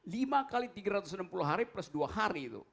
lima kali tiga ratus enam puluh hari plus dua hari itu